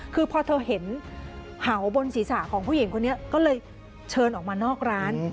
คือพอเธอเห็นเห่าบนศีรษะของผู้หญิงคนนี้ก็เลยเชิญออกมานอกร้าน